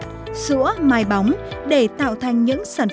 cuối cùng là gọt sữa mài bóng để tạo thành những miếng nhỏ